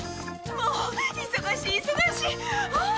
もう忙しい忙しい！ああ！